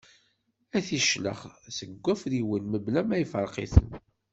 Ad t-iclex seg wafriwen mebla ma iferq-iten.